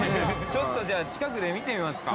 ◆ちょっと近くで見てみますか。